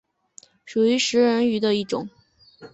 属于食人鱼的一种。